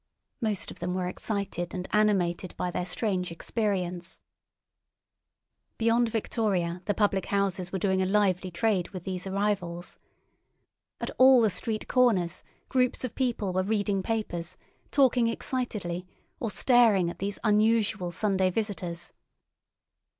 Most of them were excited and animated by their strange experience. Beyond Victoria the public houses were doing a lively trade with these arrivals. At all the street corners groups of people were reading papers, talking excitedly, or staring at these unusual Sunday visitors.